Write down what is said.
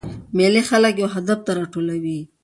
مېلې خلک یو هدف ته راټولوي.